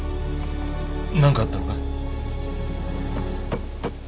何かあったのか？